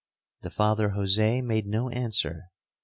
'The Father Jose made no answer.